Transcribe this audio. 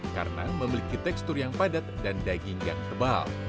karena memiliki tekstur yang padat dan daging yang tebal